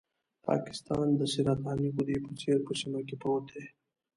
پاکستان د سرطاني غدې په څېر په سیمه کې پروت دی.